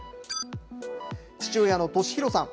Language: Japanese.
父親の俊裕さん。